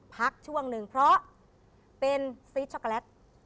พักช่วงหนึ่งเพราะเป็นซีสช็อกโกแลต